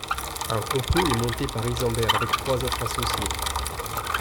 Un complot est monté par Isambert avec trois autres associés.